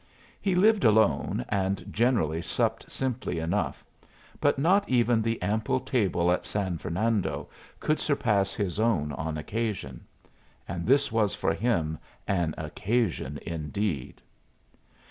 He lived alone, and generally supped simply enough, but not even the ample table at San Fernando could surpass his own on occasions. And this was for him an occasion indeed!